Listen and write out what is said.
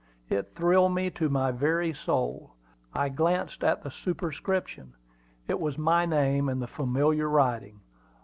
It thrilled me to my very soul. I glanced at the superscription. It was my name in the familiar writing.